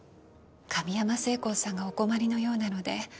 神山精工さんがお困りのようなので